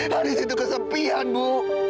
haris itu kesepian bu